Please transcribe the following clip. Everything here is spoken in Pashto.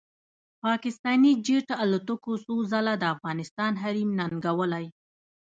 پاکستاني جېټ الوتکو څو ځله د افغانستان حریم ننګولی